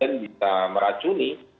dan bisa meracuni